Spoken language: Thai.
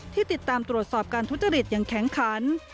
ติดตามตรวจสอบการทุจริตอย่างแข็งขัน